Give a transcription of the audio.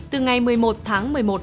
từ ngày một mươi một tháng một mươi một